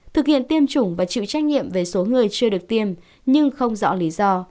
thực hiện tiêm chủng và chịu trách nhiệm về số người chưa được tiêm nhưng không rõ lý do